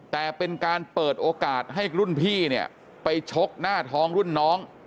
แต่เป็นการเปิดโอกาสให้รุ่นพี่เนี่ยไปชกหน้าท้องรุ่นน้อง